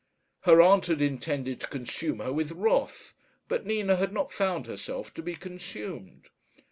Her aunt had intended to consume her with wrath, but Nina had not found herself to be consumed.